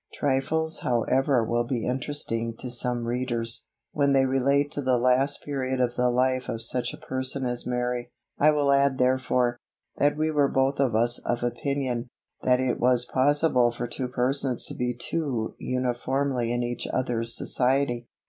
Trifles however will be interesting to some readers, when they relate to the last period of the life of such a person as Mary. I will add therefore, that we were both of us of opinion, that it was possible for two persons to be too uniformly in each other's society.